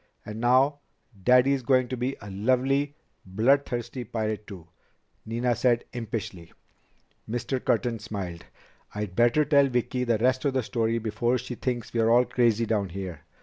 "And now Daddy is going to be a lovely, bloodthirsty pirate too," Nina said impishly. Mr. Curtin smiled. "I'd better tell Vicki the rest of the story before she thinks we're all crazy down here.